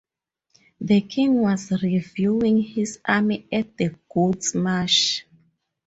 The king was reviewing his army at the Goat's Marsh.